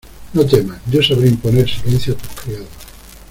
no temas: yo sabré imponer silencio a tus criados.